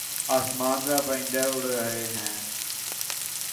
آسمان پر پرندے اڑ رہے ہیں